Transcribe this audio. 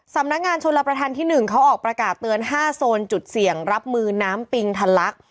สำนักงานชนรับประทานที่๑เขาออกประกาศเตือน๕โซนจุดเสี่ยงรับมือน้ำปิงทะลัก